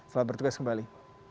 selamat bertugas kembali